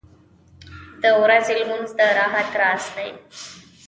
• د ورځې لمونځ د راحت راز دی.